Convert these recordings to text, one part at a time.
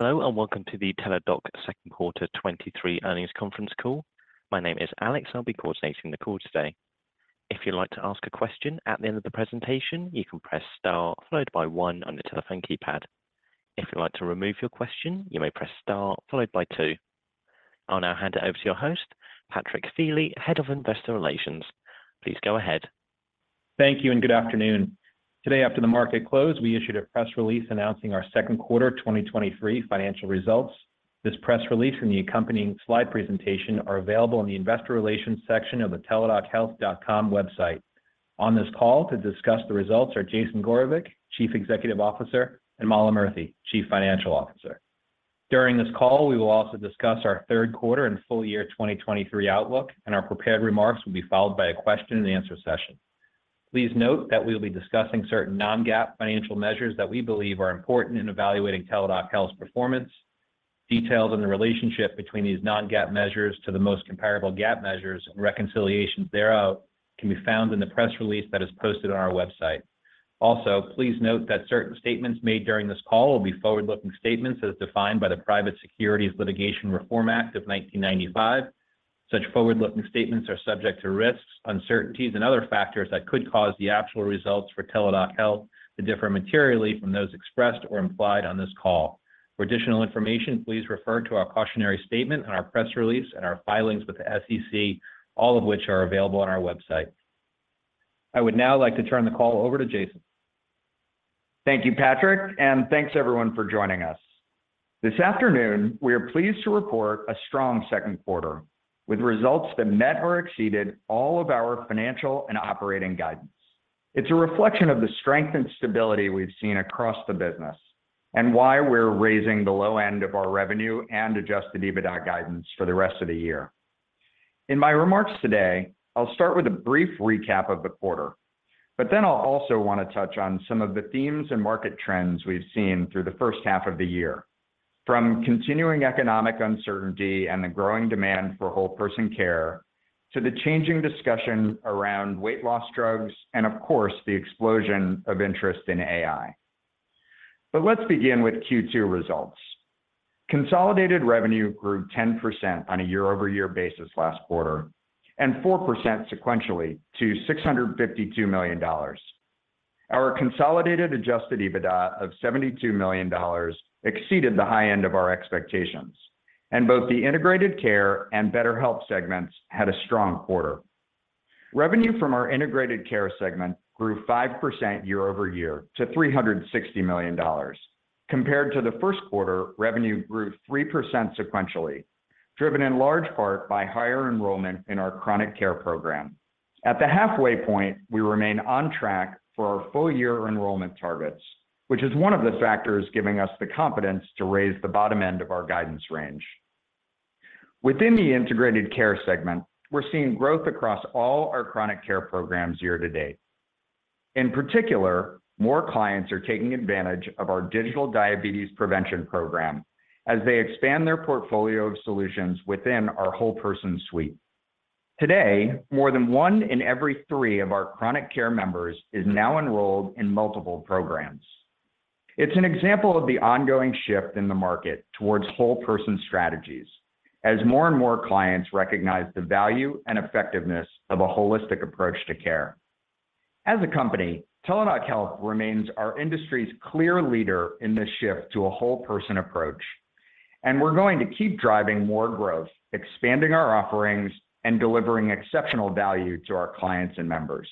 Hello, welcome to the Teladoc Health 2Q 2023 earnings conference call. My name is Alex, I'll be coordinating the call today. If you'd like to ask a question at the end of the presentation, you can press Star followed by 1 on your telephone keypad. If you'd like to remove your question, you may press Star followed by 2. I'll now hand it over to your host, Patrick Feeley, Head of Investor Relations. Please go ahead. Thank you and good afternoon. Today, after the market closed, we issued a press release announcing our second quarter 2023 financial results. This press release and the accompanying slide presentation are available in the Investor Relations section of the teladochealth.com website. On this call to discuss the results are Jason Gorevic, Chief Executive Officer, and Mala Murthy, Chief Financial Officer. During this call, we will also discuss our third quarter and full year 2023 outlook, and our prepared remarks will be followed by a question and answer session. Please note that we'll be discussing certain non-GAAP financial measures that we believe are important in evaluating Teladoc Health's performance. Details on the relationship between these non-GAAP measures to the most comparable GAAP measures and reconciliations thereof can be found in the press release that is posted on our website. Also, please note that certain statements made during this call will be forward-looking statements as defined by the Private Securities Litigation Reform Act of 1995. Such forward-looking statements are subject to risks, uncertainties, and other factors that could cause the actual results for Teladoc Health to differ materially from those expressed or implied on this call. For additional information, please refer to our cautionary statement in our press release and our filings with the SEC, all of which are available on our website. I would now like to turn the call over to Jason. Thank you, Patrick, and thanks everyone for joining us. This afternoon, we are pleased to report a strong second quarter, with results that met or exceeded all of our financial and operating guidance. It's a reflection of the strength and stability we've seen across the business, and why we're raising the low end of our revenue and Adjusted EBITDA guidance for the rest of the year. In my remarks today, I'll start with a brief recap of the quarter, but then I'll also want to touch on some of the themes and market trends we've seen through the first half of the year, from continuing economic uncertainty and the growing demand for whole-person care, to the changing discussion around weight loss drugs, and of course, the explosion of interest in AI. Let's begin with Q2 results. Consolidated revenue grew 10% on a year-over-year basis last quarter, and 4% sequentially to $652 million. Our consolidated Adjusted EBITDA of $72 million exceeded the high end of our expectations, and both the Integrated Care and BetterHelp segments had a strong quarter. Revenue from our Integrated Care segment grew 5% year-over-year to $360 million. Compared to the first quarter, revenue grew 3% sequentially, driven in large part by higher enrollment in our chronic care program. At the halfway point, we remain on track for our full year enrollment targets, which is one of the factors giving us the confidence to raise the bottom end of our guidance range. Within the Integrated Care segment, we're seeing growth across all our chronic care programs year to date. In particular, more clients are taking advantage of our digital diabetes prevention program as they expand their portfolio of solutions within our whole-person suite. Today, more than 1 in every 3 of our chronic care members is now enrolled in multiple programs. It's an example of the ongoing shift in the market towards whole-person strategies, as more and more clients recognize the value and effectiveness of a holistic approach to care. As a company, Teladoc Health remains our industry's clear leader in this shift to a whole-person approach. We're going to keep driving more growth, expanding our offerings, and delivering exceptional value to our clients and members.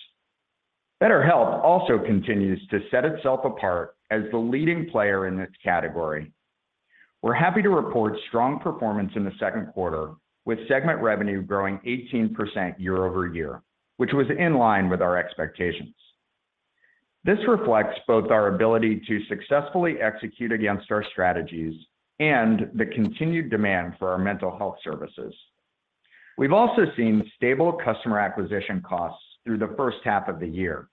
BetterHelp also continues to set itself apart as the leading player in this category. We're happy to report strong performance in the second quarter, with segment revenue growing 18% year-over-year, which was in line with our expectations. This reflects both our ability to successfully execute against our strategies and the continued demand for our mental health services. We've also seen stable customer acquisition costs through the first half of the year.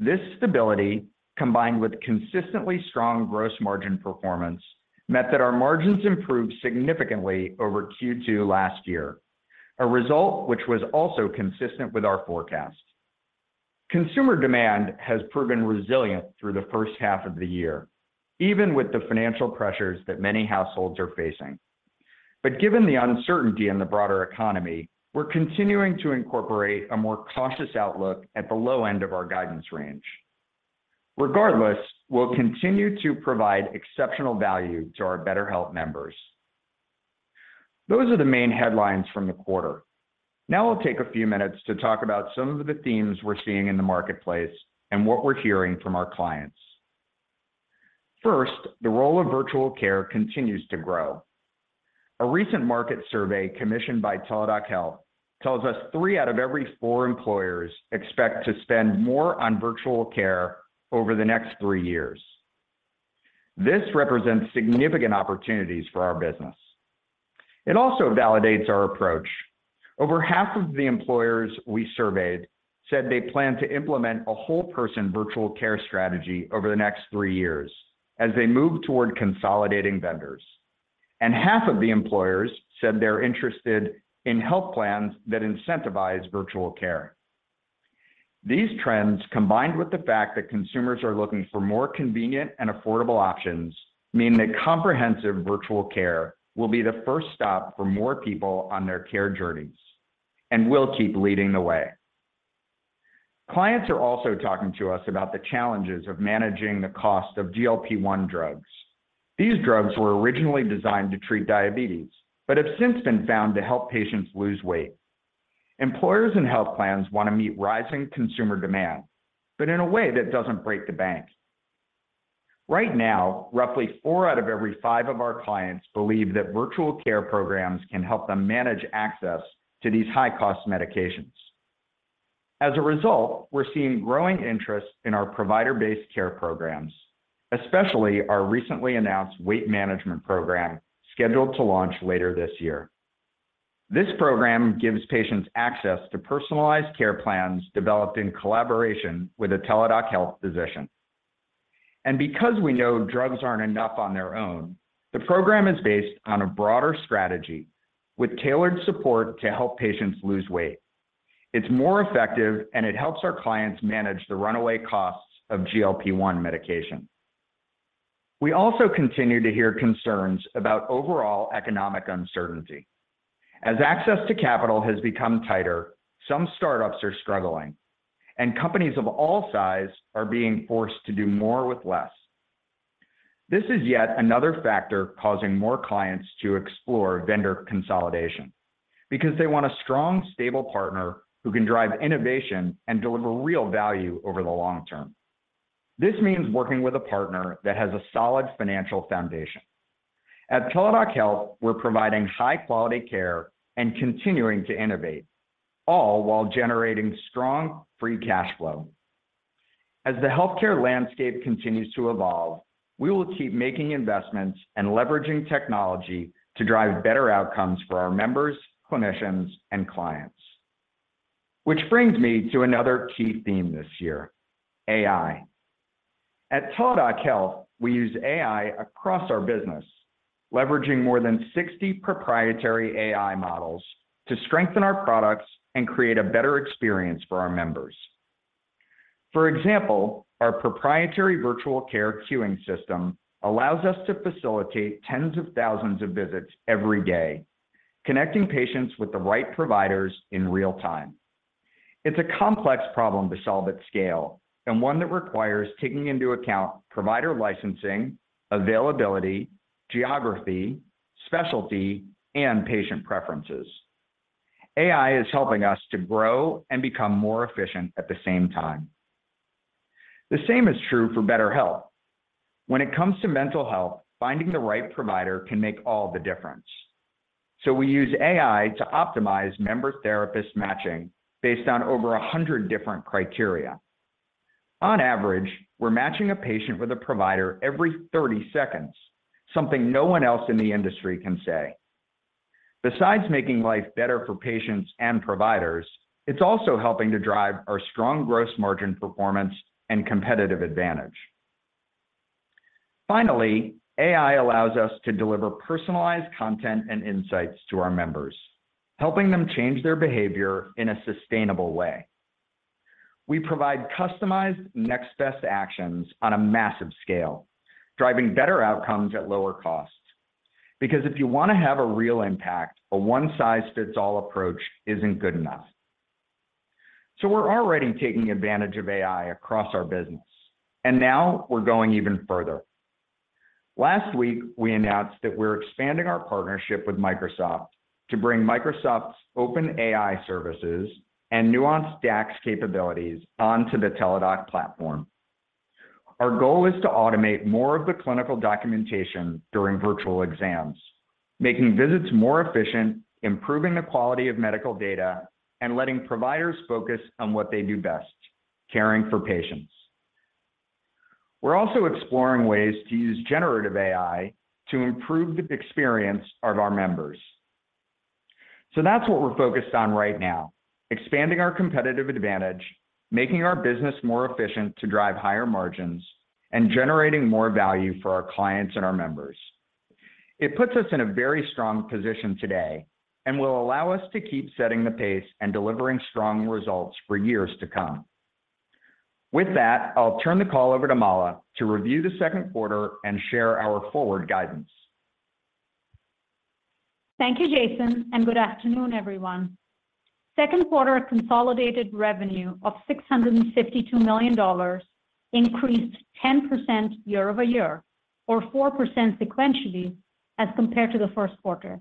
This stability, combined with consistently strong gross margin performance, meant that our margins improved significantly over Q2 last year, a result which was also consistent with our forecast. Consumer demand has proven resilient through the first half of the year, even with the financial pressures that many households are facing. Given the uncertainty in the broader economy, we're continuing to incorporate a more cautious outlook at the low end of our guidance range. Regardless, we'll continue to provide exceptional value to our BetterHelp members. Those are the main headlines from the quarter. I'll take a few minutes to talk about some of the themes we're seeing in the marketplace and what we're hearing from our clients. First, the role of virtual care continues to grow. A recent market survey commissioned by Teladoc Health tells us three out of every four employers expect to spend more on virtual care over the next three years. This represents significant opportunities for our business. It also validates our approach. Over half of the employers we surveyed said they plan to implement a whole-person virtual care strategy over the next three years as they move toward consolidating vendors. Half of the employers said they're interested in health plans that incentivize virtual care. These trends, combined with the fact that consumers are looking for more convenient and affordable options, mean that comprehensive virtual care will be the first stop for more people on their care journeys, and we'll keep leading the way. Clients are also talking to us about the challenges of managing the cost of GLP-1 drugs. These drugs were originally designed to treat diabetes, but have since been found to help patients lose weight. Employers and health plans want to meet rising consumer demand, but in a way that doesn't break the bank. Right now, roughly four out of every five of our clients believe that virtual care programs can help them manage access to these high-cost medications. As a result, we're seeing growing interest in our provider-based care programs, especially our recently announced weight management program, scheduled to launch later this year. This program gives patients access to personalized care plans developed in collaboration with a Teladoc Health physician. Because we know drugs aren't enough on their own, the program is based on a broader strategy with tailored support to help patients lose weight. It's more effective, and it helps our clients manage the runaway costs of GLP-1 medication. We also continue to hear concerns about overall economic uncertainty. As access to capital has become tighter, some startups are struggling, and companies of all sizes are being forced to do more with less. This is yet another factor causing more clients to explore vendor consolidation, because they want a strong, stable partner who can drive innovation and deliver real value over the long term. This means working with a partner that has a solid financial foundation. At Teladoc Health, we're providing high-quality care and continuing to innovate, all while generating strong free cash flow. As the healthcare landscape continues to evolve, we will keep making investments and leveraging technology to drive better outcomes for our members, clinicians, and clients. Which brings me to another key theme this year: AI. At Teladoc Health, we use AI across our business, leveraging more than 60 proprietary AI models to strengthen our products and create a better experience for our members. For example, our proprietary virtual care queuing system allows us to facilitate tens of thousands of visits every day, connecting patients with the right providers in real time. It's a complex problem to solve at scale, and one that requires taking into account provider licensing, availability, geography, specialty, and patient preferences. AI is helping us to grow and become more efficient at the same time. The same is true for BetterHelp. When it comes to mental health, finding the right provider can make all the difference. We use AI to optimize member-therapist matching based on over 100 different criteria. On average, we're matching a patient with a provider every 30 seconds, something no one else in the industry can say. Besides making life better for patients and providers, it's also helping to drive our strong gross margin performance and competitive advantage. Finally, AI allows us to deliver personalized content and insights to our members, helping them change their behavior in a sustainable way. We provide customized next-best actions on a massive scale, driving better outcomes at lower costs. If you want to have a real impact, a one-size-fits-all approach isn't good enough. We're already taking advantage of AI across our business, and now we're going even further. Last week, we announced that we're expanding our partnership with Microsoft to bring Microsoft's OpenAI services and Nuance DAX capabilities onto the Teladoc platform. Our goal is to automate more of the clinical documentation during virtual exams, making visits more efficient, improving the quality of medical data, and letting providers focus on what they do best: caring for patients. That's what we're focused on right now: expanding our competitive advantage, making our business more efficient to drive higher margins, and generating more value for our clients and our members. It puts us in a very strong position today and will allow us to keep setting the pace and delivering strong results for years to come. With that, I'll turn the call over to Mala to review the second quarter and share our forward guidance. Thank you, Jason. Good afternoon, everyone. Second quarter consolidated revenue of $652 million increased 10% year-over-year or 4% sequentially as compared to the first quarter.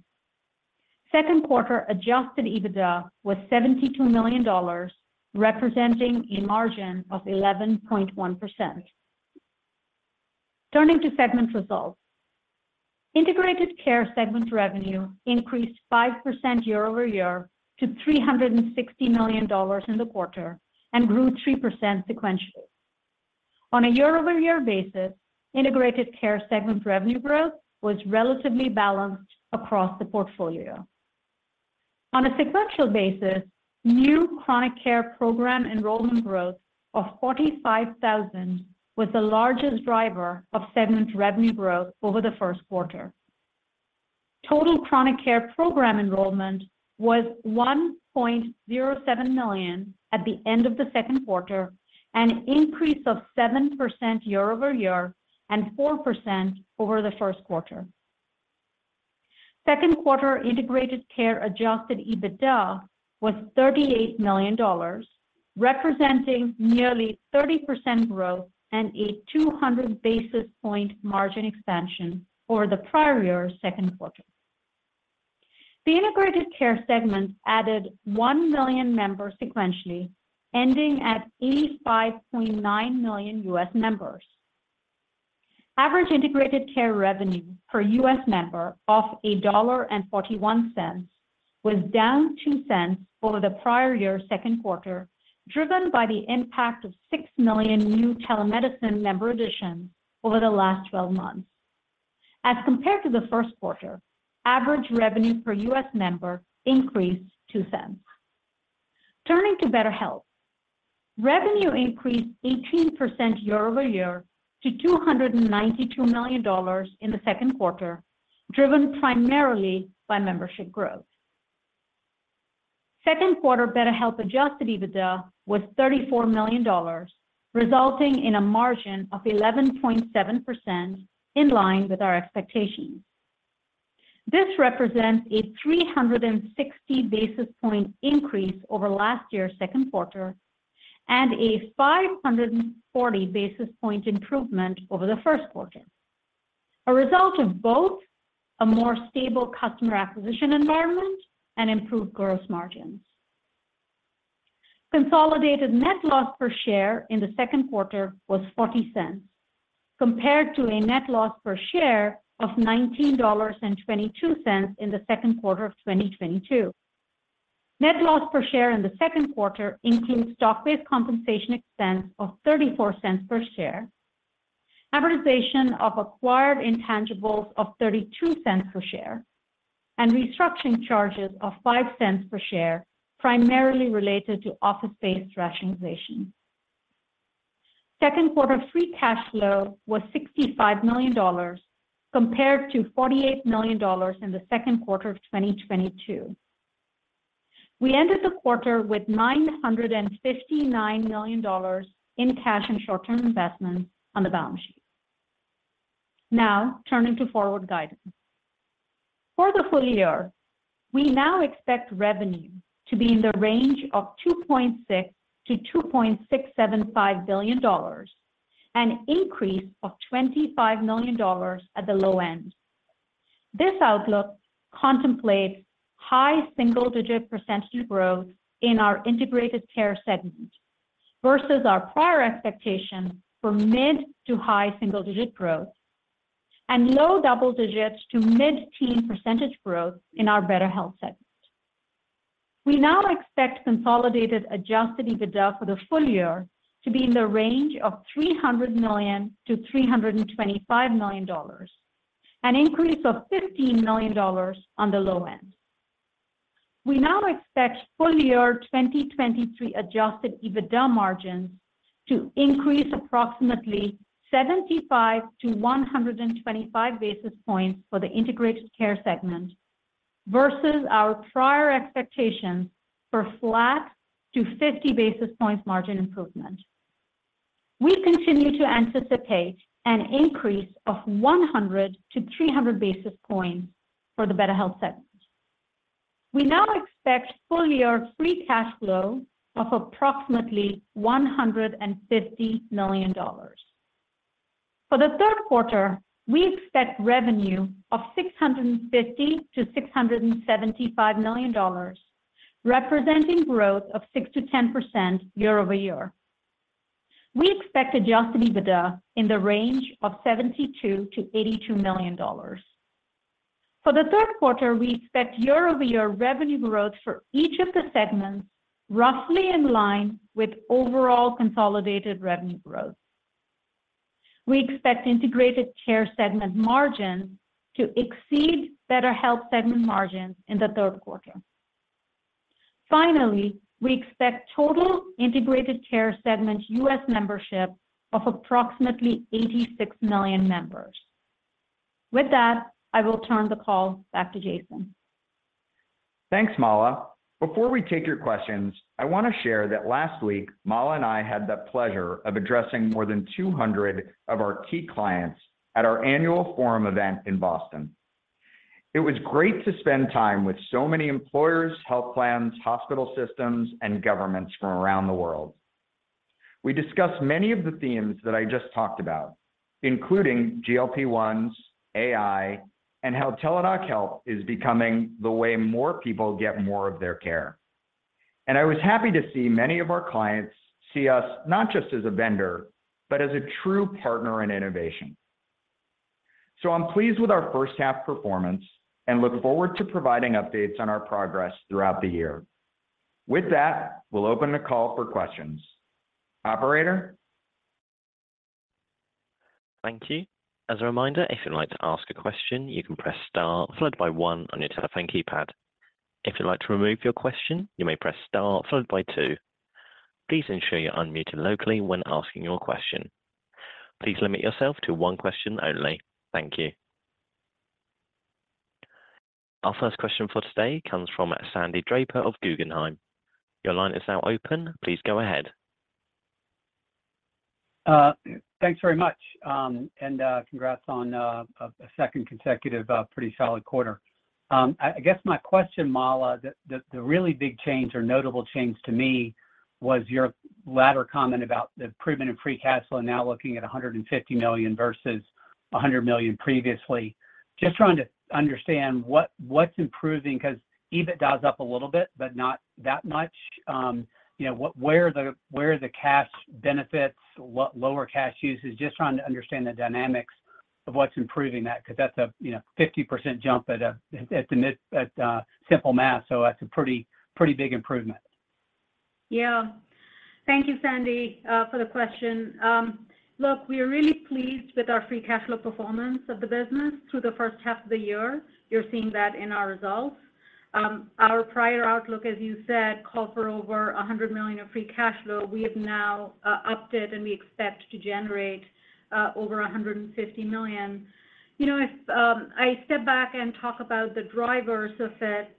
Second quarter Adjusted EBITDA was $72 million, representing a margin of 11.1%. Turning to segment results. Integrated Care segment revenue increased 5% year-over-year to $360 million in the quarter and grew 3% sequentially. On a year-over-year basis, Integrated Care segment revenue growth was relatively balanced across the portfolio. On a sequential basis, new chronic care program enrollment growth of 45,000 was the largest driver of segment revenue growth over the first quarter. Total Chronic Care Program enrollment was 1.07 million at the end of the second quarter, an increase of 7% year-over-year and 4% over the first quarter. Second quarter Integrated Care Adjusted EBITDA was $38 million, representing nearly 30% growth and a 200 basis point margin expansion over the prior year's second quarter. The Integrated Care segment added 1 million members sequentially, ending at 85.9 million U.S. members. Average Integrated Care revenue per U.S. member of $1.41 was down $0.02 over the prior year's second quarter, driven by the impact of 6 million new telemedicine member additions over the last 12 months. Compared to the first quarter, average revenue per U.S. member increased $0.02. Turning to BetterHelp. Revenue increased 18% year-over-year to $292 million in the second quarter, driven primarily by membership growth. Second quarter BetterHelp Adjusted EBITDA was $34 million, resulting in a margin of 11.7%, in line with our expectations. This represents a 360 basis point increase over last year's second quarter, and a 540 basis point improvement over the first quarter, a result of both a more stable customer acquisition environment and improved gross margins. Consolidated net loss per share in the second quarter was $0.40, compared to a net loss per share of $19.22 in the second quarter of 2022. Net loss per share in the second quarter includes stock-based compensation expense of $0.34 per share, amortization of acquired intangibles of $0.32 per share, restructuring charges of $0.05 per share, primarily related to office space rationalization. Second quarter free cash flow was $65 million, compared to $48 million in the second quarter of 2022. We ended the quarter with $959 million in cash and short-term investments on the balance sheet. Turning to forward guidance. For the full year, we now expect revenue to be in the range of $2.6 billion-$2.675 billion, an increase of $25 million at the low end. This outlook contemplates high single-digit % growth in our Integrated Care segment versus our prior expectation for mid-to-high single-digit growth and low double-digits to mid-teen % growth in our BetterHelp segment. We now expect consolidated Adjusted EBITDA for the full year to be in the range of $300 million-$325 million, an increase of $15 million on the low end. We now expect full year 2023 Adjusted EBITDA margins to increase approximately 75-125 basis points for the Integrated Care segment versus our prior expectations for flat to 50 basis points margin improvement. We continue to anticipate an increase of 100-300 basis points for the BetterHelp segment. We now expect full year free cash flow of approximately $150 million. For the third quarter, we expect revenue of $650 million-$675 million, representing growth of 6%-10% year-over-year. We expect Adjusted EBITDA in the range of $72 million-$82 million. For the third quarter, we expect year-over-year revenue growth for each of the segments, roughly in line with overall consolidated revenue growth. We expect Integrated Care segment margins to exceed BetterHelp segment margins in the third quarter. Finally, we expect total Integrated Care segment U.S. membership of approximately 86 million members. With that, I will turn the call back to Jason. Thanks, Mala. Before we take your questions, I want to share that last week, Mala and I had the pleasure of addressing more than 200 of our key clients at our annual forum event in Boston. It was great to spend time with so many employers, health plans, hospital systems, and governments from around the world. We discussed many of the themes that I just talked about, including GLP-1s, AI, and how Teladoc Health is becoming the way more people get more of their care. I was happy to see many of our clients see us not just as a vendor, but as a true partner in innovation. I'm pleased with our first half performance and look forward to providing updates on our progress throughout the year. With that, we'll open the call for questions. Operator? Thank you. As a reminder, if you'd like to ask a question, you can press star followed by 1 on your telephone keypad. If you'd like to remove your question, you may press star followed by 2. Please ensure you're unmuted locally when asking your question. Please limit yourself to 1 question only. Thank you. Our first question for today comes from Sandy Draper of Guggenheim. Your line is now open. Please go ahead. Thanks very much, and congrats on a second consecutive pretty solid quarter. I guess my question, Mala, the really big change or notable change to me was your latter comment about the improvement in free cash flow, and now looking at $150 million versus $100 million previously. Just trying to understand what's improving, 'cause EBITDA is up a little bit, but not that much. You know, where are the cash benefits? What lower cash uses? Just trying to understand the dynamics of what's improving that, 'cause that's a, you know, 50% jump at simple math, so that's a pretty big improvement. Yeah. Thank you, Sandy, for the question. Look, we are really pleased with our free cash flow performance of the business through the first half of the year. You're seeing that in our results. Our prior outlook, as you said, called for over $100 million of free cash flow. We have now upped it, and we expect to generate over $150 million. You know, if I step back and talk about the drivers of it,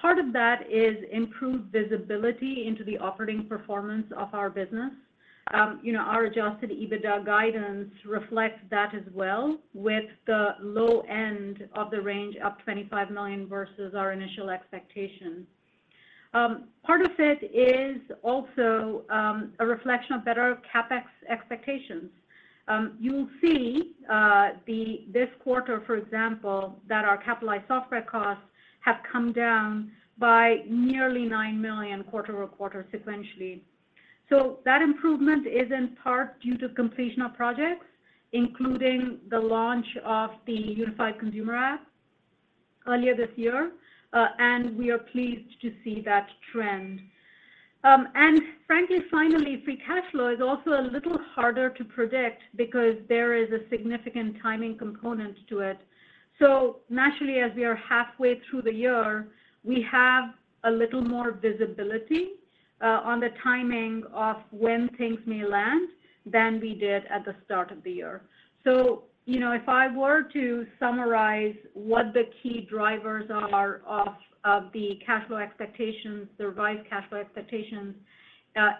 part of that is improved visibility into the operating performance of our business. You know, our Adjusted EBITDA guidance reflects that as well, with the low end of the range up $25 million versus our initial expectations. Part of it is also a reflection of better CapEx expectations. You'll see this quarter, for example, that our capitalized software costs have come down by nearly $9 million quarter-over-quarter sequentially. That improvement is in part due to completion of projects, including the launch of the unified consumer app earlier this year, we are pleased to see that trend. Frankly, finally, free cash flow is also a little harder to predict because there is a significant timing component to it. Naturally, as we are halfway through the year, we have a little more visibility on the timing of when things may land than we did at the start of the year. You know, if I were to summarize what the key drivers are of the cash flow expectations, the revised cash flow expectations,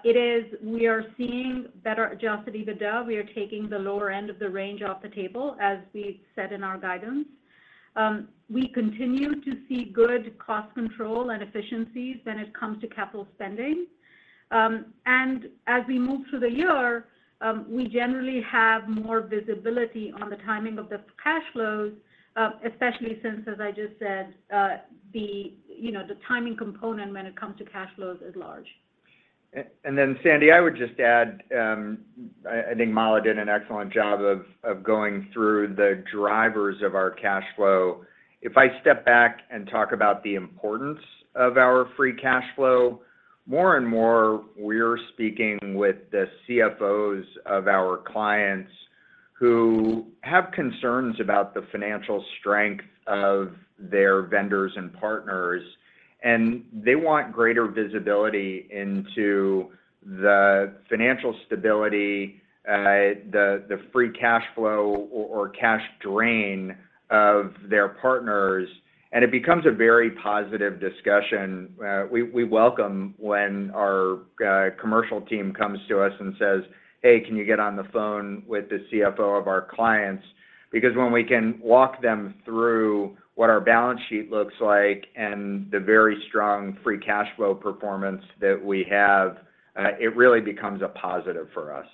it is we are seeing better Adjusted EBITDA. We are taking the lower end of the range off the table, as we said in our guidance. We continue to see good cost control and efficiencies when it comes to capital spending. As we move through the year, we generally have more visibility on the timing of the cash flows, especially since, as I just said, the timing component when it comes to cash flows is large. Sandy, I would just add, I think Mala did an excellent job of going through the drivers of our cash flow. If I step back and talk about the importance of our free cash flow, more and more, we're speaking with the CFOs of our clients who have concerns about the financial strength of their vendors and partners, and they want greater visibility into the financial stability, the free cash flow or cash drain of their partners, and it becomes a very positive discussion. We welcome when our commercial team comes to us and says, "Hey, can you get on the phone with the CFO of our clients?" Because when we can walk them through what our balance sheet looks like and the very strong free cash flow performance that we have, it really becomes a positive for us.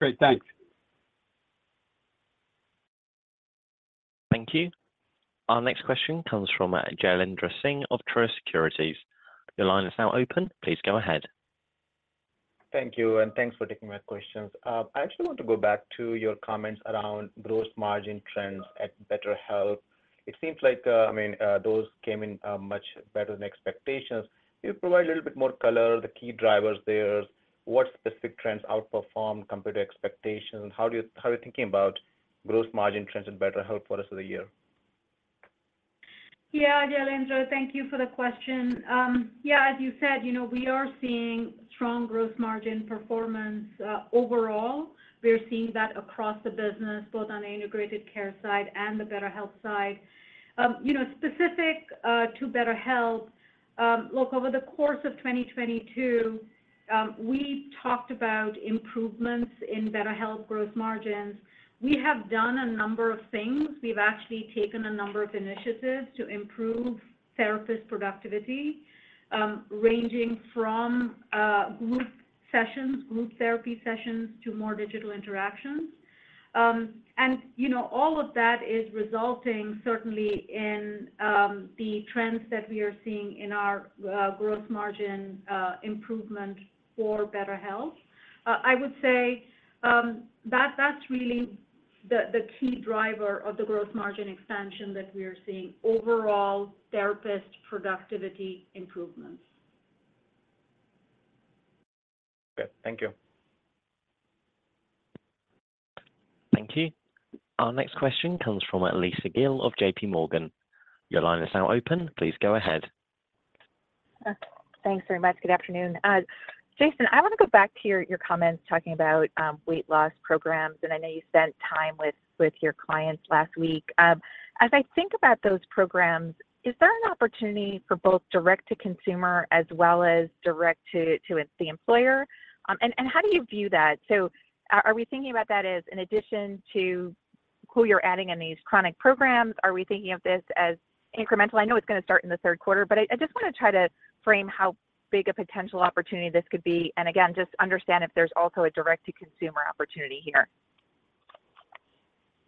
Great. Thanks. Thank you. Our next question comes from Jailendra Singh of Truist Securities. Your line is now open. Please go ahead. Thank you. Thanks for taking my questions. I actually want to go back to your comments around gross margin trends at BetterHelp. It seems like, I mean, those came in much better than expectations. Can you provide a little bit more color, the key drivers there? What specific trends outperformed compared to expectations, and how are you thinking about gross margin trends in BetterHelp for the rest of the year? Yeah, Jailendra, thank you for the question. Yeah, as you said, you know, we are seeing strong gross margin performance overall. We are seeing that across the business, both on the Integrated Care side and the BetterHelp side. You know, specific to BetterHelp, look, over the course of 2022, we talked about improvements in BetterHelp gross margins. We have done a number of things. We've actually taken a number of initiatives to improve therapist productivity, ranging from group sessions, group therapy sessions, to more digital interactions. You know, all of that is resulting certainly in the trends that we are seeing in our gross margin improvement for BetterHelp. I would say that's really the key driver of the gross margin expansion that we are seeing, overall therapist productivity improvements. Okay. Thank you. Thank you. Our next question comes from Lisa Gill of JP Morgan. Your line is now open. Please go ahead. Thanks very much. Good afternoon. Jason, I want to go back to your comments talking about weight loss programs, and I know you spent time with your clients last week. As I think about those programs, is there an opportunity for both direct to consumer as well as direct to the employer? How do you view that? Are we thinking about that as in addition to who you're adding in these chronic programs? Are we thinking of this as incremental? I know it's gonna start in the third quarter, but I just wanna try to frame how big a potential opportunity this could be, and again, just understand if there's also a direct-to-consumer opportunity here.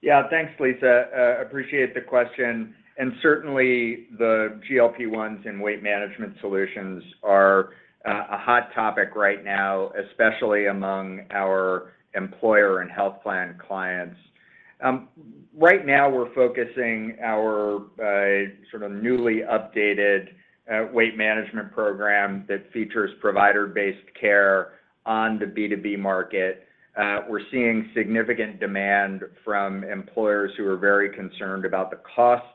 Yeah. Thanks, Lisa. Appreciate the question, certainly, the GLP-1s and weight management solutions are a hot topic right now, especially among our employer and health plan clients. Right now, we're focusing our sort of newly updated weight management program that features provider-based care on the B2B market. We're seeing significant demand from employers who are very concerned about the cost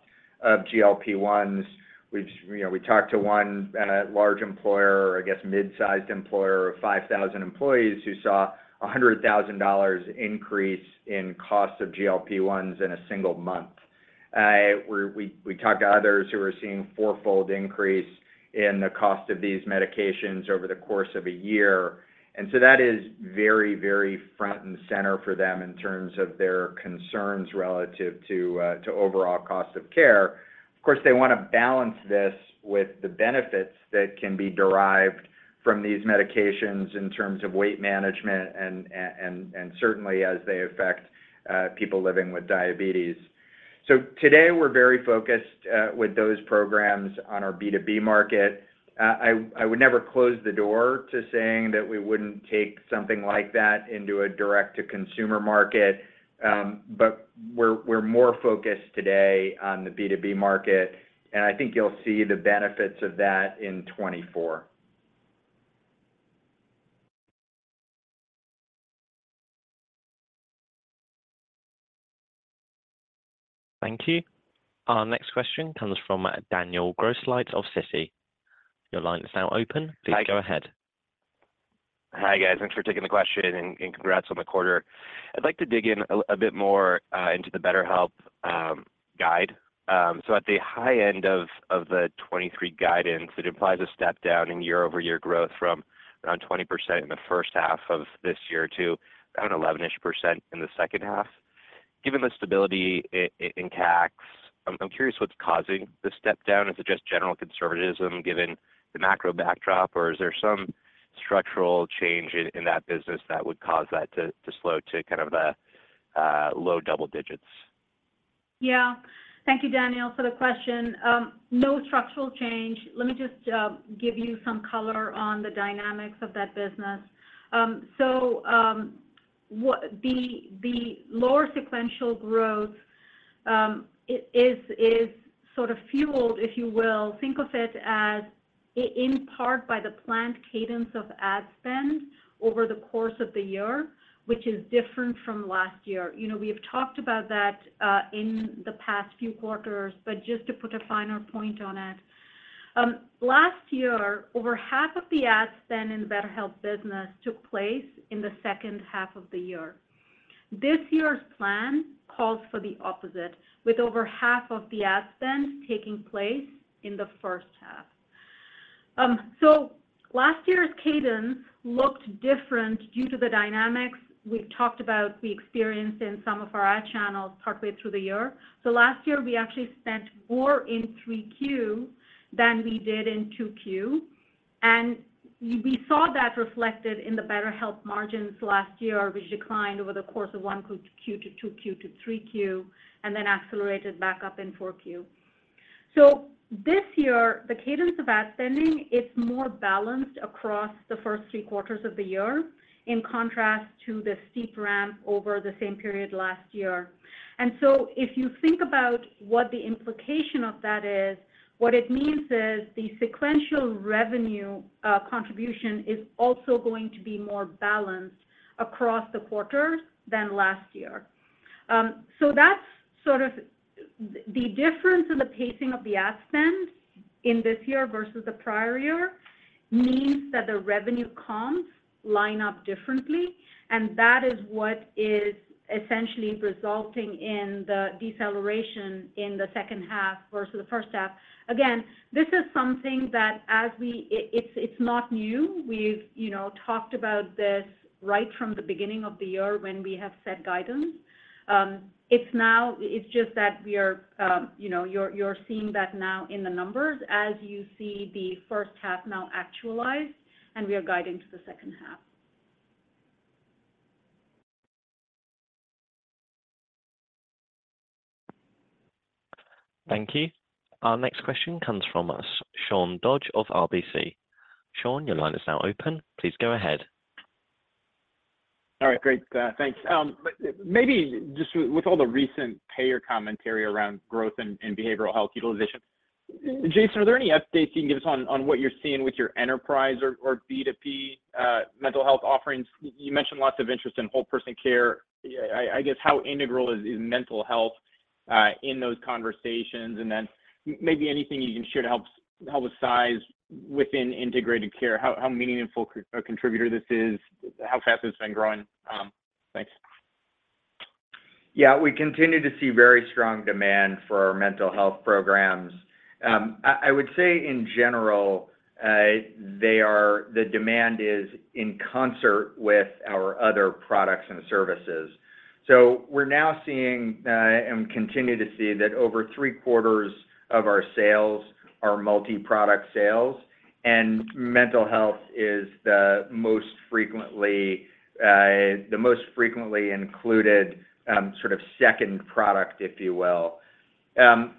of GLP-1s, which, you know, we talked to one large employer, or I guess mid-sized employer of 5,000 employees, who saw a $100,000 increase in cost of GLP-1s in a single month. We talked to others who are seeing fourfold increase in the cost of these medications over the course of a year. That is very front and center for them in terms of their concerns relative to overall cost of care. Of course, they want to balance this with the benefits that can be derived from these medications in terms of weight management and certainly as they affect people living with diabetes. Today, we're very focused with those programs on our B2B market. I would never close the door to saying that we wouldn't take something like that into a direct-to-consumer market, but we're more focused today on the B2B market, and I think you'll see the benefits of that in 2024. Thank you. Our next question comes from Daniel Grosslight of Citi. Your line is now open. Hi. Please go ahead. Hi, guys. Thanks for taking the question and congrats on the quarter. I'd like to dig in a bit more into the BetterHelp guide. At the high end of the 2023 guidance, it implies a step down in year-over-year growth from around 20% in the first half of this year to around 11%ish in the second half. Given the stability in CAC, I'm curious what's causing the step down. Is it just general conservatism, given the macro backdrop, or is there some structural change in that business that would cause that to slow to kind of the low double digits? Yeah. Thank you, Daniel, for the question. No structural change. Let me just give you some color on the dynamics of that business. The lower sequential growth, it is sort of fueled, if you will, think of it as in part by the planned cadence of ad spend over the course of the year, which is different from last year. You know, we have talked about that in the past few quarters, but just to put a finer point on it, last year, over half of the ad spend in the BetterHelp business took place in the second half of the year. This year's plan calls for the opposite, with over half of the ad spend taking place in the first half. Last year's cadence looked different due to the dynamics we've talked about, we experienced in some of our ad channels partway through the year. Last year, we actually spent more in 3Q than we did in 2Q, and we saw that reflected in the BetterHelp margins last year, which declined over the course of 1Q to 2Q, to 3Q, and then accelerated back up in 4Q. This year, the cadence of ad spending is more balanced across the first three quarters of the year, in contrast to the steep ramp over the same period last year. If you think about what the implication of that is, what it means is the sequential revenue contribution is also going to be more balanced across the quarters than last year. That's sort of the difference in the pacing of the ad spend in this year versus the prior year, means that the revenue comps line up differently. That is what is essentially resulting in the deceleration in the second half versus the first half. Again, this is something that it's not new. We've, you know, talked about this right from the beginning of the year when we have set guidance. It's just that we are, you know, you're seeing that now in the numbers as you see the first half now actualized. We are guiding to the second half. Thank you. Our next question comes from Sean Dodge of RBC. Sean, your line is now open. Please go ahead. All right, great, thanks. Maybe just with all the recent payer commentary around growth and behavioral health utilization. Jason, are there any updates you can give us on what you're seeing with your enterprise or B2B mental health offerings? You mentioned lots of interest in whole-person care. I guess how integral is mental health in those conversations? Maybe anything you can share to help with size within Integrated Care, how meaningful or contributor this is, how fast it's been growing? Thanks. Yeah, we continue to see very strong demand for our mental health programs. I would say in general, the demand is in concert with our other products and services. We're now seeing, and continue to see, that over three quarters of our sales are multi-product sales, and mental health is the most frequently, the most frequently included, sort of second product, if you will.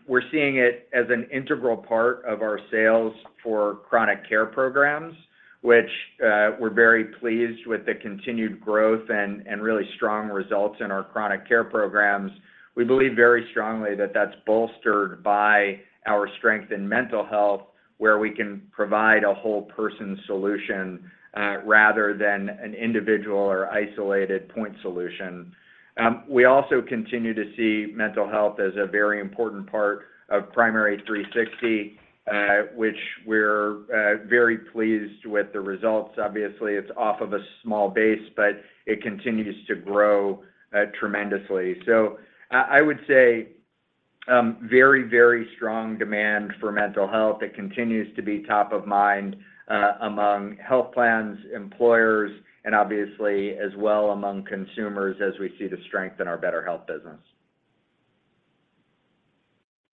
We're seeing it as an integral part of our sales for chronic care programs, which, we're very pleased with the continued growth and really strong results in our chronic care programs. We believe very strongly that that's bolstered by our strength in mental health, where we can provide a whole-person solution, rather than an individual or isolated point solution. We also continue to see mental health as a very important part of Primary360, which we're very pleased with the results. Obviously, it's off of a small base, but it continues to grow tremendously. I would say, very, very strong demand for mental health. It continues to be top of mind among health plans, employers, and obviously, as well among consumers as we see the strength in our BetterHelp business.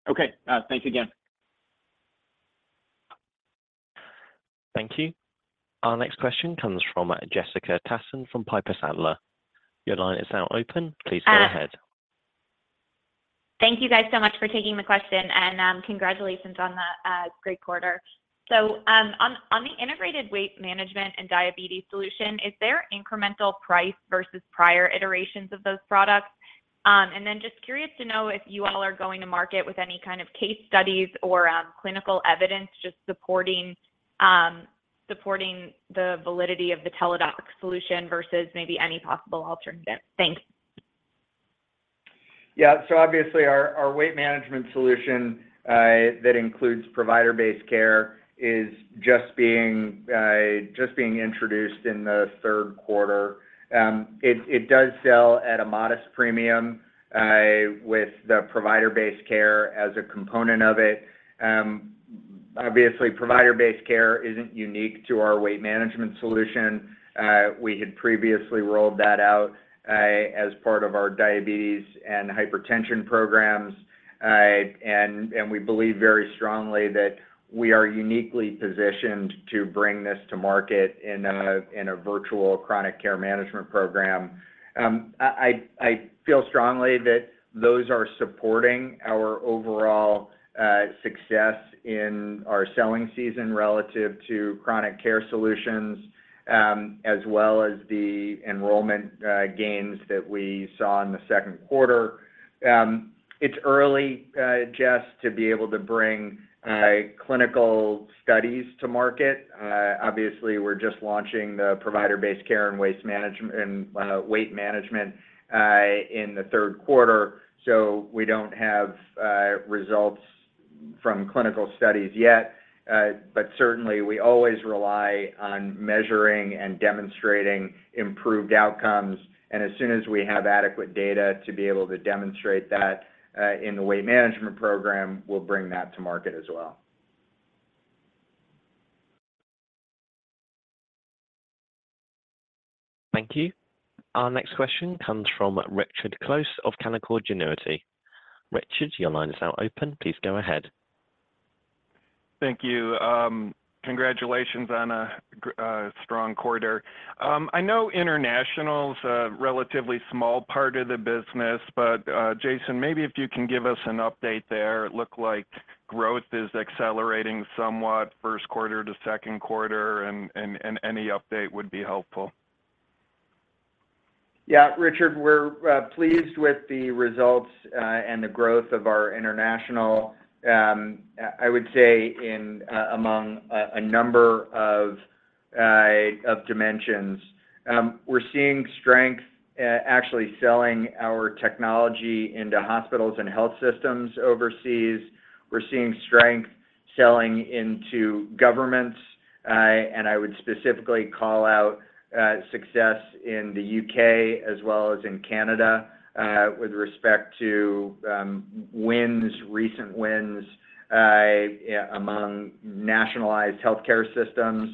Okay. Thanks again. Thank you. Our next question comes from Jessica Tassan from Piper Sandler. Your line is now open. Please go ahead. Thank you guys so much for taking the question, and congratulations on the great quarter. On the integrated weight management and diabetes solution, is there incremental price versus prior iterations of those products? Then just curious to know if you all are going to market with any kind of case studies or clinical evidence, just supporting the validity of the Teladoc solution versus maybe any possible alternative. Thanks. Yeah. Obviously, our weight management solution, that includes provider-based care, is just being introduced in the third quarter. It does sell at a modest premium, with the provider-based care as a component of it. Obviously, provider-based care isn't unique to our weight management solution. We had previously rolled that out as part of our diabetes and hypertension programs. We believe very strongly that we are uniquely positioned to bring this to market in a virtual chronic care management program. I feel strongly that those are supporting our overall success in our selling season relative to chronic care solutions, as well as the enrollment gains that we saw in the second quarter. It's early, Jess, to be able to bring clinical studies to market. Obviously, we're just launching the provider-based care and weight management, in the third quarter, so we don't have results from clinical studies yet. Certainly, we always rely on measuring and demonstrating improved outcomes. As soon as we have adequate data to be able to demonstrate that, in the weight management program, we'll bring that to market as well. Thank you. Our next question comes from Richard Close of Canaccord Genuity. Richard, your line is now open. Please go ahead. Thank you. Congratulations on a strong quarter. I know international is a relatively small part of the business, but Jason, maybe if you can give us an update there. It looked like growth is accelerating somewhat first quarter to second quarter, and any update would be helpful. Yeah, Richard, we're pleased with the results and the growth of our international. I would say in among a number of dimensions, we're seeing strength actually selling our technology into hospitals and health systems overseas. We're seeing strength selling into governments, and I would specifically call out success in the U.K. as well as in Canada with respect to wins, recent wins among nationalized healthcare systems.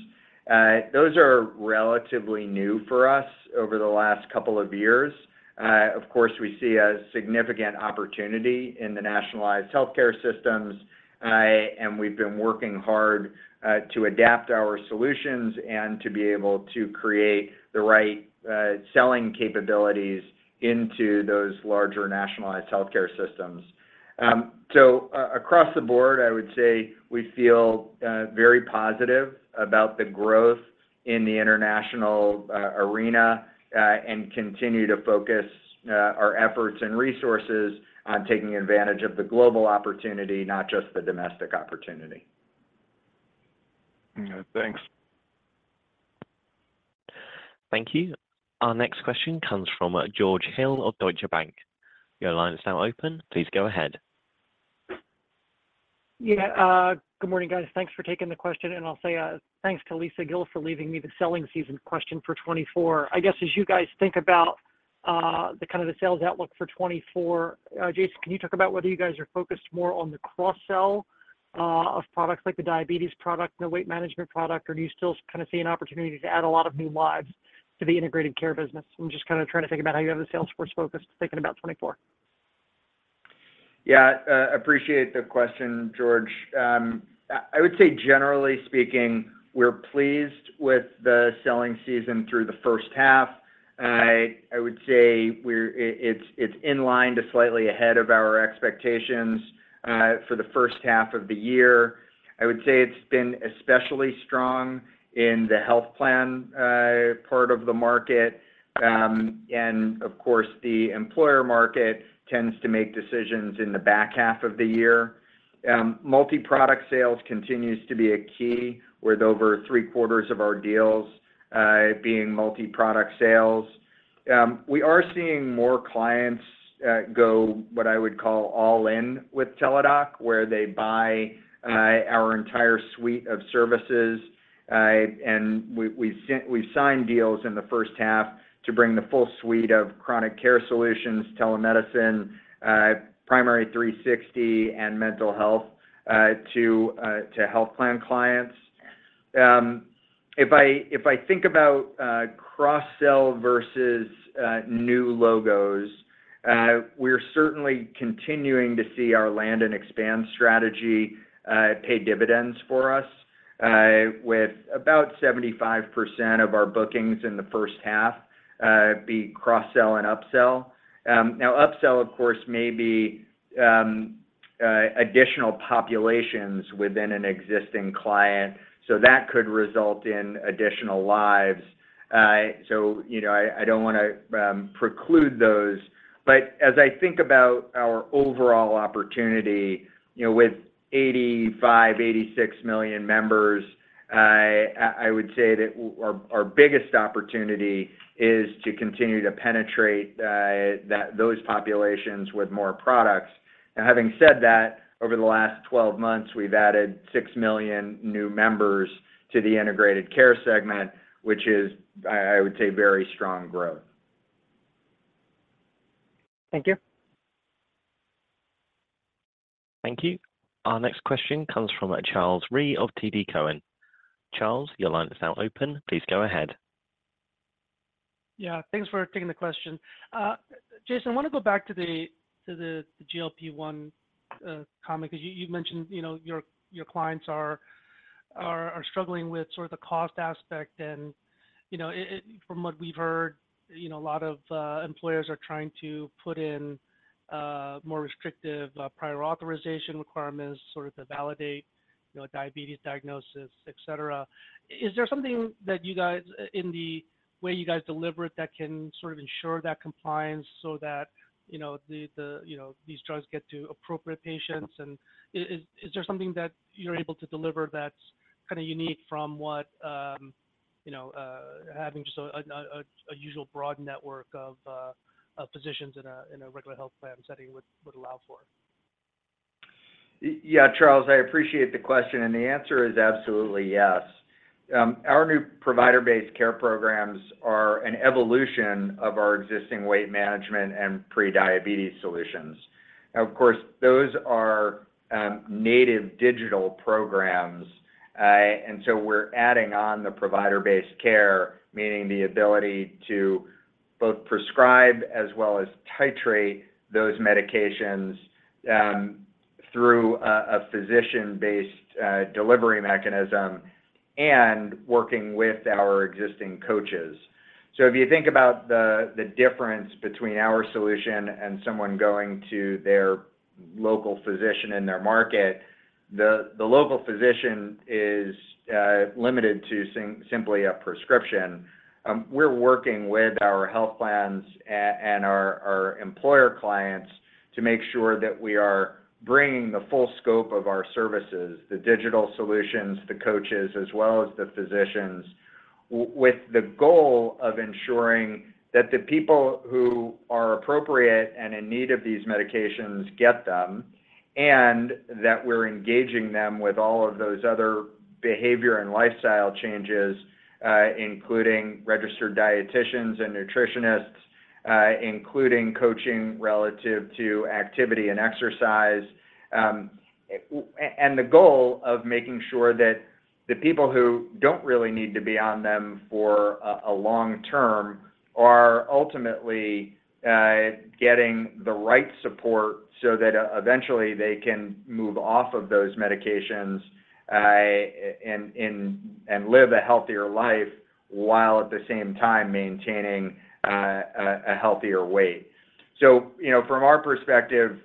Those are relatively new for us over the last couple of years. Of course, we see a significant opportunity in the nationalized healthcare systems, and we've been working hard to adapt our solutions and to be able to create the right selling capabilities into those larger nationalized healthcare systems. Across the board, I would say we feel very positive about the growth in the international arena and continue to focus our efforts and resources on taking advantage of the global opportunity, not just the domestic opportunity. Yeah, thanks. Thank you. Our next question comes from George Hill of Deutsche Bank. Your line is now open, please go ahead. Good morning, guys. Thanks for taking the question. I'll say, thanks to Lisa Gill for leaving me the selling season question for 2024. I guess, as you guys think about the kind of the sales outlook for 2024, Jason, can you talk about whether you guys are focused more on the cross-sell of products like the diabetes product and the weight management product? Do you still kind of see an opportunity to add a lot of new lives to the Integrated Care business? I'm just kind of trying to think about how you have the sales force focused, thinking about 2024. Yeah, appreciate the question, George. I would say generally speaking, we're pleased with the selling season through the first half. I would say it's in line to slightly ahead of our expectations for the first half of the year. I would say it's been especially strong in the health plan part of the market. Of course, the employer market tends to make decisions in the back half of the year. Multi-product sales continues to be a key, with over three-quarters of our deals being multi-product sales. We are seeing more clients go, what I would call all in with Teladoc, where they buy our entire suite of services. We've signed deals in the first half to bring the full suite of chronic care solutions, telemedicine, Primary360 and mental health to health plan clients. I think about cross-sell versus new logos, we're certainly continuing to see our land and expand strategy pay dividends for us with about 75% of our bookings in the first half be cross-sell and upsell. Upsell, of course, may be additional populations within an existing client, so that could result in additional lives. You know, I don't wanna preclude those. As I think about our overall opportunity, you know, with 85 million-86 million members, I would say that our biggest opportunity is to continue to penetrate those populations with more products. Having said that, over the last 12 months, we've added 6 million new members to the Integrated Care segment, which is, I would say, very strong growth. Thank you. Thank you. Our next question comes from Charles Rhyee of TD Cowen. Charles, your line is now open. Please go ahead. Yeah, thanks for taking the question. Jason, I wanna go back to the GLP-1 comment, 'cause you mentioned, you know, your clients are struggling with sort of the cost aspect. You know, from what we've heard, you know, a lot of employers are trying to put in more restrictive prior authorization requirements, sort of to validate, you know, diabetes diagnosis, et cetera. Is there something that you guys in the way you guys deliver it, that can sort of ensure that compliance so that, you know, these drugs get to appropriate patients? Is there something that you're able to deliver that's kinda unique from what, you know, having just a usual broad network of physicians in a regular health plan setting would allow for? Yeah, Charles, I appreciate the question. The answer is absolutely yes. Our new provider-based care programs are an evolution of our existing weight management and prediabetes solutions. Of course, those are native digital programs. We're adding on the provider-based care, meaning the ability to both prescribe as well as titrate those medications through a physician-based delivery mechanism and working with our existing coaches. If you think about the difference between our solution and someone going to their local physician in their market, the local physician is limited to simply a prescription. We're working with our health plans and our employer clients to make sure that we are bringing the full scope of our services, the digital solutions, the coaches, as well as the physicians, with the goal of ensuring that the people who are appropriate and in need of these medications, get them, and that we're engaging them with all of those other behavior and lifestyle changes, including registered dietitians and nutritionists, including coaching relative to activity and exercise. The goal of making sure that the people who don't really need to be on them for a long term, are ultimately getting the right support so that eventually they can move off of those medications and live a healthier life, while at the same time maintaining a healthier weight. You know, from our perspective,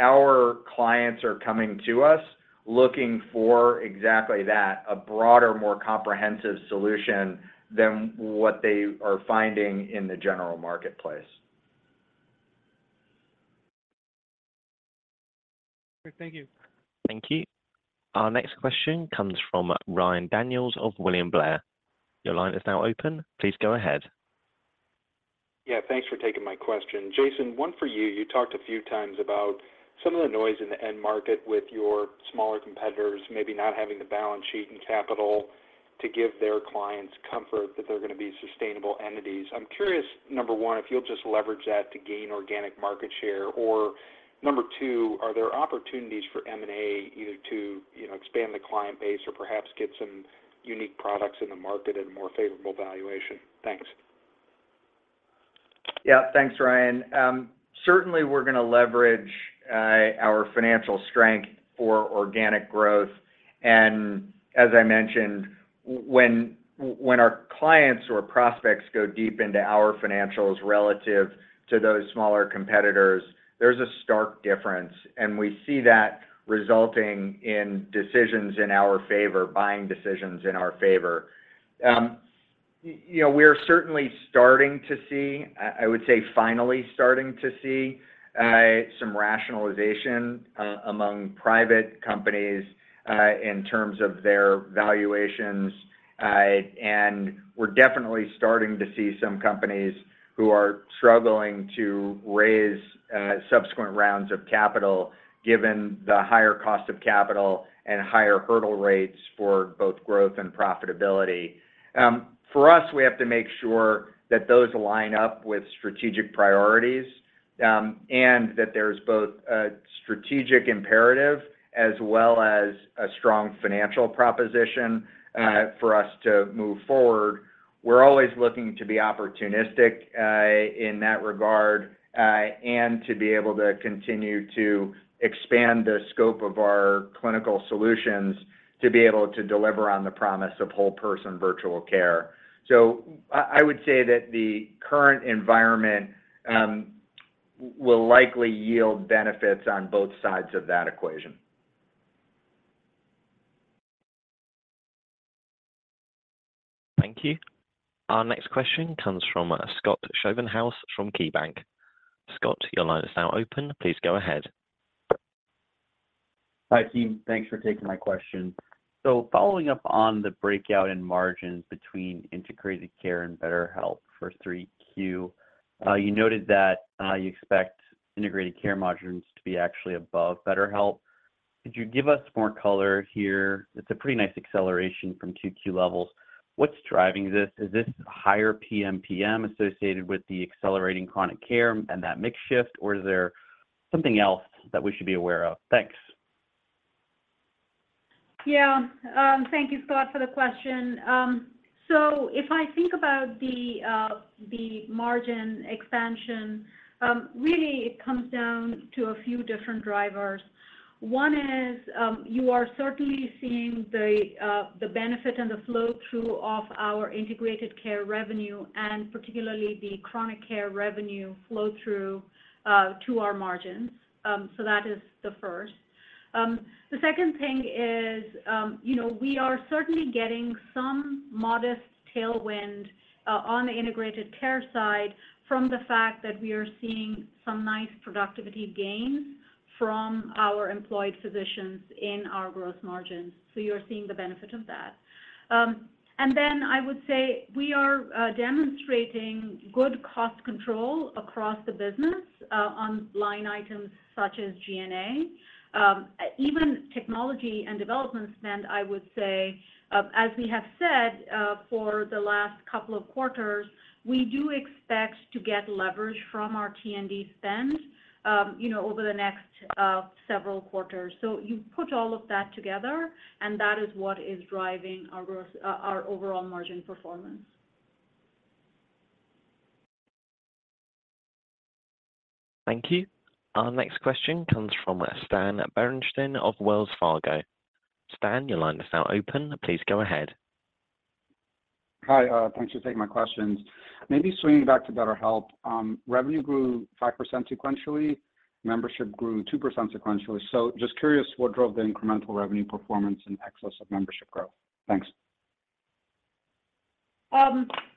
our clients are coming to us looking for exactly that: a broader, more comprehensive solution than what they are finding in the general marketplace. Thank you. Thank you. Our next question comes from Ryan Daniels of William Blair. Your line is now open. Please go ahead. Yeah, Thanks for taking my question. Jason, one for you. You talked a few times about some of the noise in the end market with your smaller competitors, maybe not having the balance sheet and capital to give their clients comfort that they're going to be sustainable entities. I'm curious, number one, if you'll just leverage that to gain organic market share, or number two, are there opportunities for M&A either to, you know, expand the client base or perhaps get some unique products in the market at a more favorable valuation? Thanks. Yeah. Thanks, Ryan. Certainly, we're going to leverage our financial strength for organic growth. As I mentioned, when our clients or prospects go deep into our financials relative to those smaller competitors, there's a stark difference, and we see that resulting in decisions in our favor, buying decisions in our favor. You know, we are certainly starting to see, I would say, finally starting to see some rationalization among private companies in terms of their valuations. We're definitely starting to see some companies who are struggling to raise subsequent rounds of capital, given the higher cost of capital and higher hurdle rates for both growth and profitability. For us, we have to make sure that those line up with strategic priorities, and that there's both a strategic imperative as well as a strong financial proposition, for us to move forward. We're always looking to be opportunistic, in that regard, and to be able to continue to expand the scope of our clinical solutions, to be able to deliver on the promise of whole person virtual care. I would say that the current environment, will likely yield benefits on both sides of that equation. Thank you. Our next question comes from Scott Schoenhaus from KeyBanc. Scott, your line is now open. Please go ahead. Hi, team. Thanks for taking my question. Following up on the breakout in margins between Integrated Care and BetterHelp for 3Q, you noted that you expect Integrated Care margins to be actually above BetterHelp. Could you give us more color here? It's a pretty nice acceleration from 2Q levels. What's driving this? Is this higher PMPM associated with the accelerating chronic care and that mix shift, or is there something else that we should be aware of? Thanks. Yeah. Thank you, Scott, for the question. If I think about the margin expansion, really it comes down to a few different drivers. One is, you are certainly seeing the benefit and the flow through of our Integrated Care revenue, and particularly the chronic care revenue flow through to our margins. That is the first. The second thing is, you know, we are certainly getting some modest tailwind on the Integrated Care side from the fact that we are seeing some nice productivity gains from our employed physicians in our growth margins. You're seeing the benefit of that. I would say we are demonstrating good cost control across the business on line items such as G&A. Even technology and development spend, I would say, as we have said, for the last couple of quarters, we do expect to get leverage from our T&D spend, you know, over the next, several quarters. You put all of that together, and that is what is driving our growth, our overall margin performance. Thank you. Our next question comes from Stan Berenshteyn of Wells Fargo. Stan, your line is now open. Please go ahead. Hi, thanks for taking my questions. Maybe swinging back to BetterHelp. Revenue grew 5% sequentially, membership grew 2% sequentially. Just curious, what drove the incremental revenue performance in excess of membership growth? Thanks.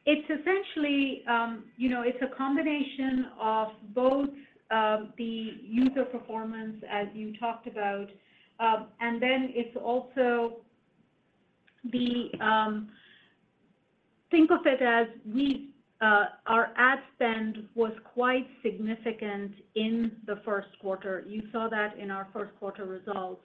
It's essentially, you know, it's a combination of both, the user performance, as you talked about, and then it's also the. Think of it as we, our ad spend was quite significant in the first quarter. You saw that in our first quarter results.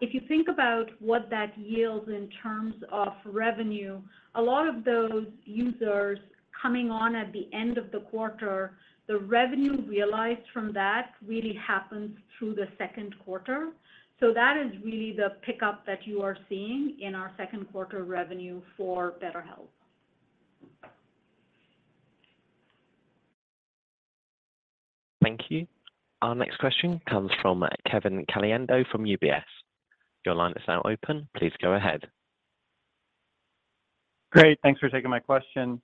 If you think about what that yields in terms of revenue, a lot of those users coming on at the end of the quarter, the revenue realized from that really happens through the second quarter. That is really the pickup that you are seeing in our second quarter revenue for BetterHelp. Thank you. Our next question comes from Kevin Caliendo from UBS. Your line is now open. Please go ahead. Great. Thanks for taking my question.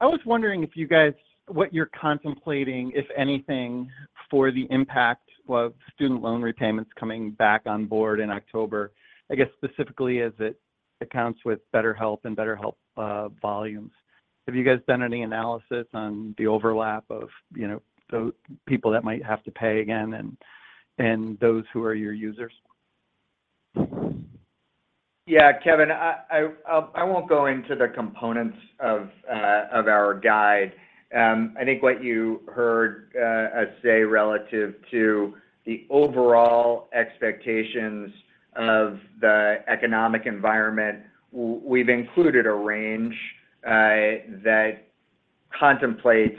I was wondering if you guys, what you're contemplating, if anything, for the impact of student loan repayments coming back on board in October? I guess specifically.... accounts with BetterHelp, volumes. Have you guys done any analysis on the overlap of, you know, the people that might have to pay again and those who are your users? Yeah, Kevin, I won't go into the components of our guide. I think what you heard us say relative to the overall expectations of the economic environment, we've included a range that contemplates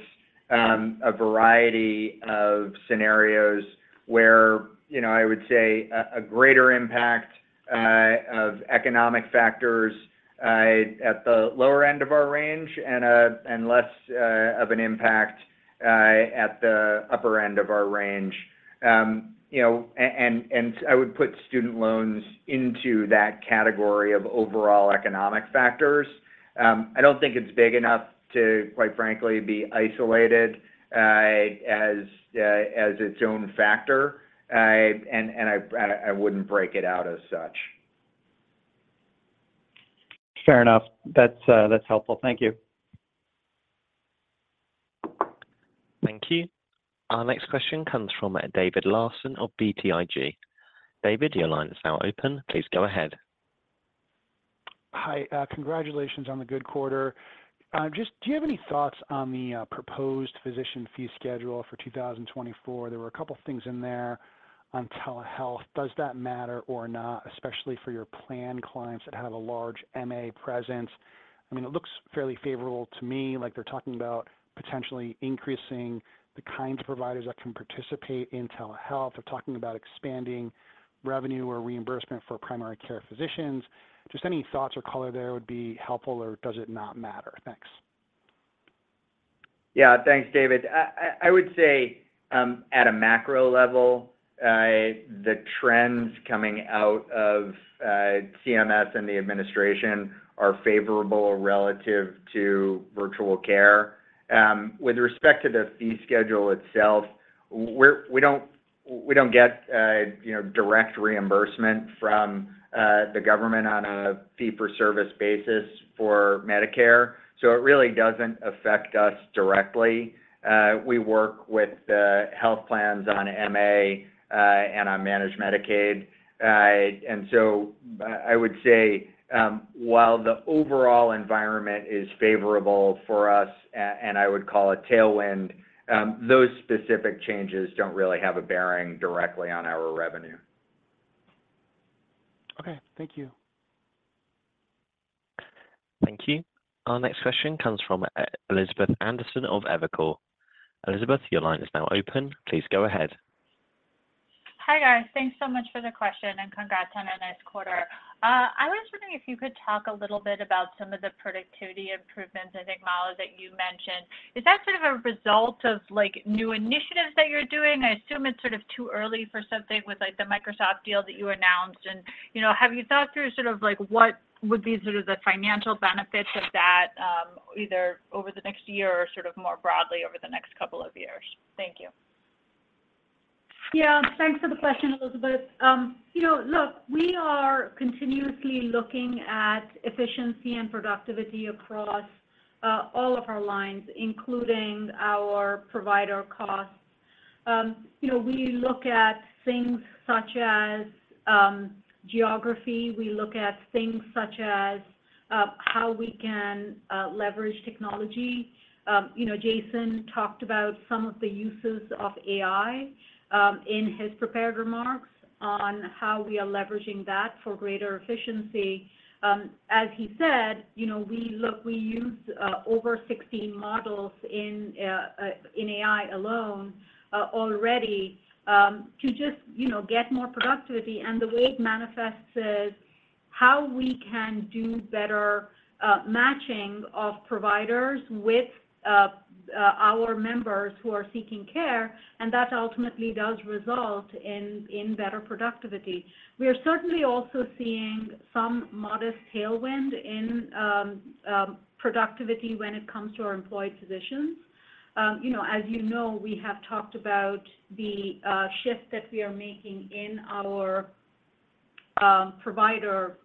a variety of scenarios where, you know, I would say a greater impact of economic factors at the lower end of our range and less of an impact at the upper end of our range. You know, and I would put student loans into that category of overall economic factors. I don't think it's big enough to, quite frankly, be isolated as its own factor. I wouldn't break it out as such. Fair enough. That's, that's helpful. Thank you. Thank you. Our next question comes from David Larsen of BTIG. David, your line is now open. Please go ahead. Hi, congratulations on the good quarter. Just do you have any thoughts on the proposed physician fee schedule for 2024? There were a couple things in there on telehealth. Does that matter or not, especially for your plan clients that have a large MA presence? I mean, it looks fairly favorable to me, like they're talking about potentially increasing the kinds of providers that can participate in telehealth. They're talking about expanding revenue or reimbursement for primary care physicians. Just any thoughts or color there would be helpful, or does it not matter? Thanks. Yeah, thanks, David. I would say, at a macro level, the trends coming out of CMS and the administration are favorable relative to virtual care. With respect to the fee schedule itself, we don't get, you know, direct reimbursement from the government on a fee-for-service basis for Medicare, so it really doesn't affect us directly. We work with the health plans on MA and on Managed Medicaid. I would say, while the overall environment is favorable for us, and I would call it tailwind, those specific changes don't really have a bearing directly on our revenue. Okay. Thank you. Thank you. Our next question comes from Elizabeth Anderson of Evercore. Elizabeth, your line is now open. Please go ahead. Hi, guys. Thanks so much for the question, and congrats on a nice quarter. I was wondering if you could talk a little bit about some of the productivity improvements, I think, Mala, that you mentioned. Is that sort of a result of, like, new initiatives that you're doing? I assume it's sort of too early for something with, like, the Microsoft deal that you announced. You know, have you thought through sort of, like, what would be sort of the financial benefits of that, either over the next year or sort of more broadly over the next couple of years? Thank you. Yeah, thanks for the question, Elizabeth. Look, we are continuously looking at efficiency and productivity across all of our lines, including our provider costs. We look at things such as geography. We look at things such as how we can leverage technology. Jason talked about some of the uses of AI in his prepared remarks on how we are leveraging that for greater efficiency. As he said, we use over 16 models in AI alone already to just get more productivity. The way it manifests is how we can do better matching of providers with our members who are seeking care, and that ultimately does result in better productivity. We are certainly also seeing some modest tailwind in productivity when it comes to our employed physicians. You know, as you know, we have talked about the shift that we are making in our provider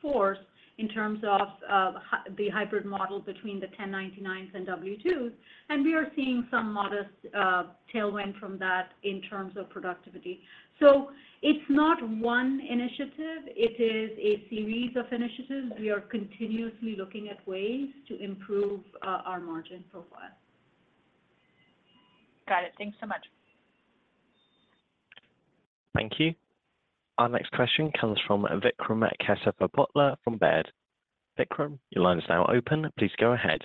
force in terms of the hybrid model between the 1099s and W-2s, and we are seeing some modest tailwind from that in terms of productivity. It's not one initiative, it is a series of initiatives. We are continuously looking at ways to improve our margin profile. Got it. Thanks so much. Thank you. Our next question comes from Vikram at Kesavabhotlar Botler from Baird. Vikram, your line is now open. Please go ahead.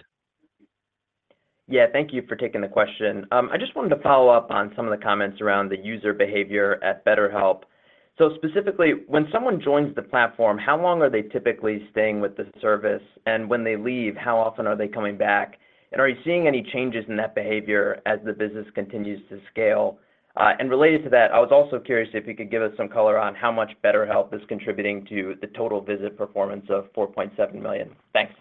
Yeah, thank you for taking the question. I just wanted to follow up on some of the comments around the user behavior at BetterHelp. Specifically, when someone joins the platform, how long are they typically staying with the service? When they leave, how often are they coming back? Are you seeing any changes in that behavior as the business continues to scale? Related to that, I was also curious if you could give us some color on how much BetterHelp is contributing to the total visit performance of 4.7 million. Thanks.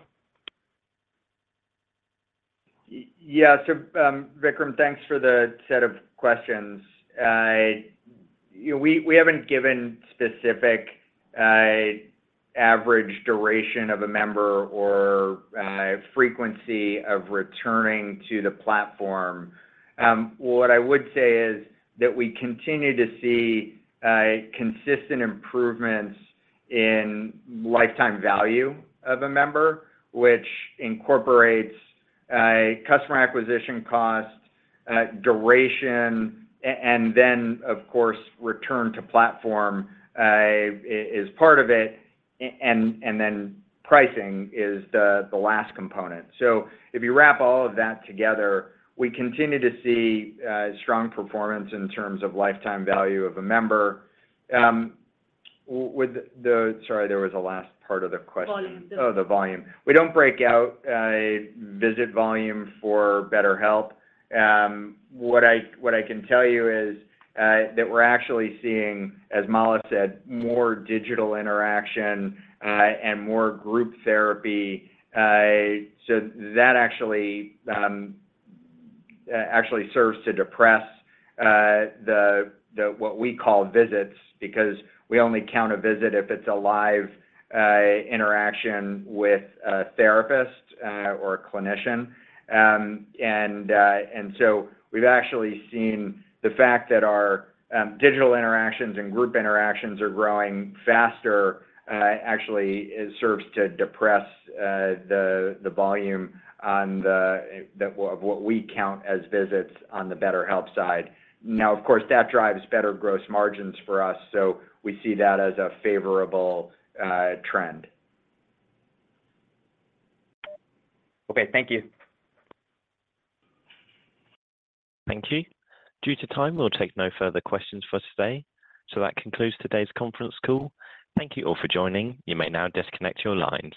Yeah, Vikram, thanks for the set of questions. You know, we haven't given specific average duration of a member or frequency of returning to the platform. What I would say is that we continue to see consistent improvements in lifetime value of a member, which incorporates customer acquisition cost, duration, and then, of course, return to platform is part of it, and then pricing is the last component. If you wrap all of that together, we continue to see strong performance in terms of lifetime value of a member. Sorry, there was a last part of the question. Volume. The volume. We don't break out visit volume for BetterHelp. What I can tell you is that we're actually seeing, as Mala said, more digital interaction and more group therapy. That actually serves to depress the what we call visits, because we only count a visit if it's a live interaction with a therapist or a clinician. We've actually seen the fact that our digital interactions and group interactions are growing faster, actually, it serves to depress the volume on the of what we count as visits on the BetterHelp side. Of course, that drives better gross margins for us, so we see that as a favorable trend. Okay, thank you. Thank you. Due to time, we'll take no further questions for today. That concludes today's conference call. Thank you all for joining. You may now disconnect your lines.